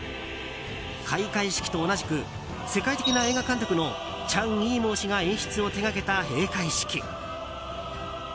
開会式と同じく世界的な映画監督のチャン・イーモウ氏が演出を手掛けた閉会式。